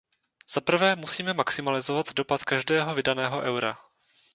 Za prvé musíme maximalizovat dopad každého vydaného eura.